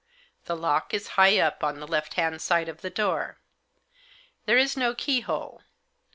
The lock is high up on the left hand side of the door. There is no keyhole.